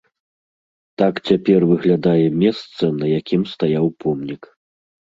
Так цяпер выглядае месца, на якім стаяў помнік.